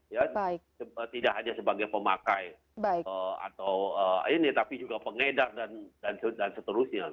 ya tidak hanya sebagai pemakai atau ini tapi juga pengedar dan seterusnya